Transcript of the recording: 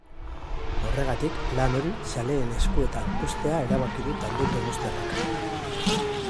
Horregatik, lan hori zaleen eskuetan uztea erabaki du talde donostiarrak.